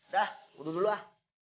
dah undur dulu ah